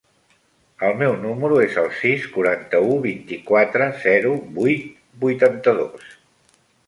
El meu número es el sis, quaranta-u, vint-i-quatre, zero, vuit, vuitanta-dos.